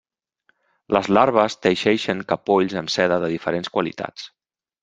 Les larves teixeixen capolls amb seda de diferents qualitats.